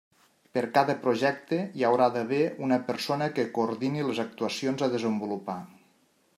Per cada projecte hi haurà d'haver una persona que coordini les actuacions a desenvolupar.